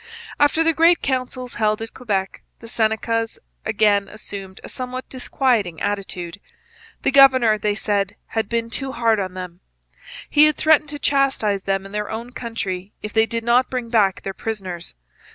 After the great councils held at Quebec, the Senecas again assumed a somewhat disquieting attitude. The governor, they said, had been too hard on them. He had threatened to chastise them in their own country if they did not bring back their prisoners.